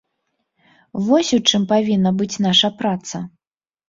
Вось у чым павінна быць наша праца.